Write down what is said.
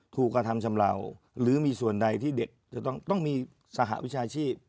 กระทำชำราวหรือมีส่วนใดที่เด็กจะต้องมีสหวิชาชีพ